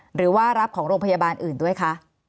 หรือว่ารับของโรงพยาบาลอื่นด้วยคะ